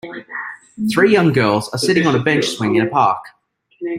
Three young girls are sitting on a bench swing in a park.